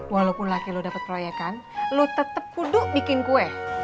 walaupun laki lo dapet proyekan lo tetep kuduk bikin kue